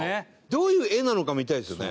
どういう絵なのか見たいですよね。